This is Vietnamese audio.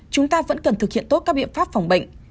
chúng ta vẫn cần thực hiện tốt các biện pháp phòng bệnh